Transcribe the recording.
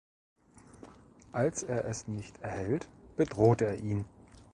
Als er es nicht erhält, bedroht er ihn.